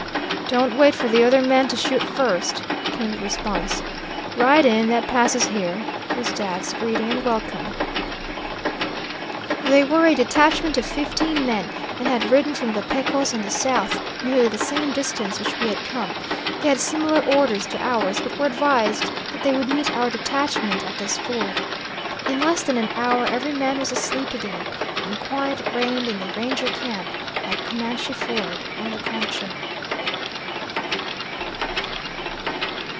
"Don't wait for the other man to shoot first," came the response. "Ride in, that passes here," was Dad's greeting and welcome. They were a detachment of fifteen men, and had ridden from the Pecos on the south, nearly the same distance which we had come. They had similar orders to ours, but were advised that they would meet our detachment at this ford. In less than an hour every man was asleep again, and quiet reigned in the Ranger camp at Comanche Ford on the Concho.